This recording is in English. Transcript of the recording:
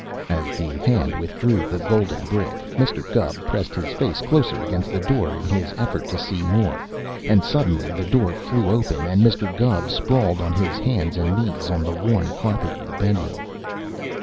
As the hand withdrew the golden brick, Mr. Gubb pressed his face closer against the door in his effort to see more, and suddenly the door flew open and Mr. Gubb sprawled on his hands and knees on the worn carpet of the bedroom.